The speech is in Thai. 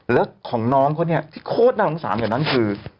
แล้วของน้องเขาเนี่ยที่โคตรน่าสงสารกว่านั้นคือ